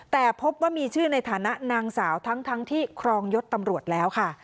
แต่พบว่ามีชื่อในฐานะนางสาวทั้งที่ครองยศตำรวจแล้วค่ะ